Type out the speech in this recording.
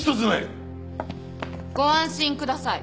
ご安心ください。